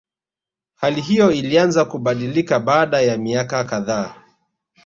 Hali hiyo ilianza kubadilika baada ya miaka kadhaa